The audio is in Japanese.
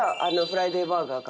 フライデーバーガー。